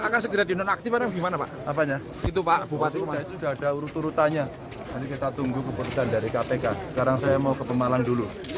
kita tunggu keputusan dari kpk sekarang saya mau ke pemalang dulu